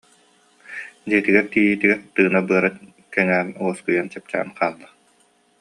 Дьиэтигэр тиийиитигэр тыына-быара кэҥээн, уоскуйан, чэпчээн хаалла